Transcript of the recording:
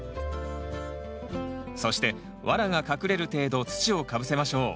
そしてワラが隠れる程度土をかぶせましょう。